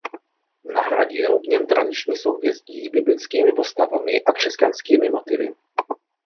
Nahradil v něm tradiční souhvězdí biblickými postavami a křesťanskými motivy.